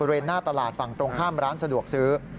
หน้าตลาดฝั่งตรงข้ามร้านสะดวกซื้อ